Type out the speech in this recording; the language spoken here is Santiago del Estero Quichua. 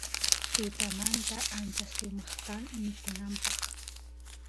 tutamanta ancha sumaq kan mikunapaq